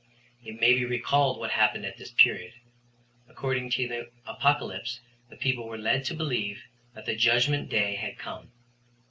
It maybe recalled what happened at this period. According to the Apocalypse the people were led to believe that the judgment day had come.